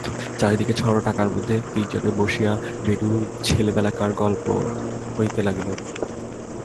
চারি দিকে ছড়ানো টাকার মধ্যে তিনজনে বসিয়া বেণুর ছেলেবেলাকার গল্প হইতে লাগিল।